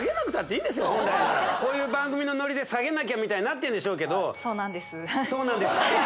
本来ならこういう番組のノリで下げなきゃみたいになってんでしょうけどそうなんですそうなんですよ